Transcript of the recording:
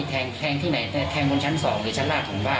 ห้องน้านก่อนแต่ไม่ใช่ที่นอนมันผมก็ลากคอมันไป